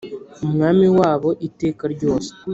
umwami wabo iteka ryose